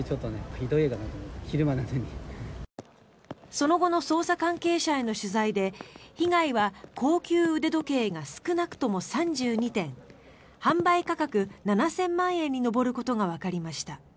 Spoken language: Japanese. その後の捜査関係者への取材で被害は高級腕時計が少なくとも３２点販売価格７０００万円に上ることがわかりました。